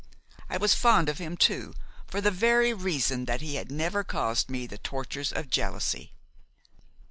I was fond of him too for the very reason that he had never caused me the tortures of jealousy.